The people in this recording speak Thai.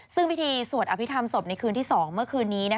ซึ่งพิธีสวดอภิษฐรรมศพในคืนที่๒เมื่อคืนนี้